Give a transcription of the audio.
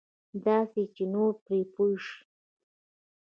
داسې چې نور پرې پوه شي.